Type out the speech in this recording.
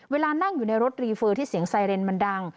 เวลานั่งอยู่ในรถรีเฟอร์ที่เสียงไซเรนมันดัง